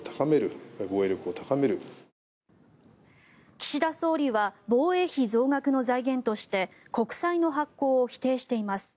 岸田総理は防衛費増額の財源として国債の発行を否定しています。